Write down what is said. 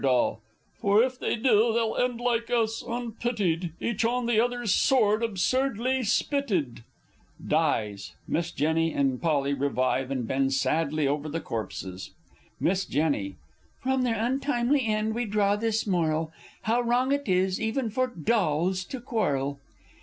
_ For, if they do, they'll end like us, unpitied, Each on the other's sword absurdly spitted! [Dies. Miss J. and P. revive, and bend sadly over the corpses. Miss Jenny. From their untimely end we draw this moral, How wrong it is, even for dolls, to quarrel!